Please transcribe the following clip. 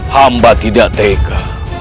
hamba tidak tega